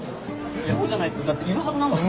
いやそうじゃないとだっているはずなのよ。